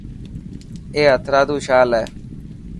اي هٿرادو شال هي.